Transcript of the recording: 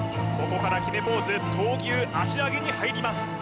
ここから決めポーズ闘牛脚上げに入ります